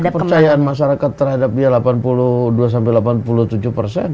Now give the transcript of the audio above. kepercayaan masyarakat terhadap dia delapan puluh dua sampai delapan puluh tujuh persen